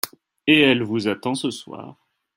Et elle vous attend ce soir.